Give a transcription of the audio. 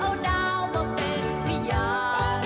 เราเลือกเอาดาวมาเป็นพิญญาณ